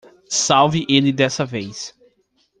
Salve ele dessa vez.